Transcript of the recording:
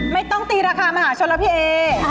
ไม่ต้องตีราคามหาชนแล้วพี่เอ